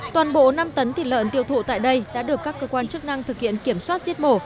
toàn bộ năm tấn thịt lợn tiêu thụ tại đây đã được các cơ quan chức năng thực hiện kiểm soát giết mổ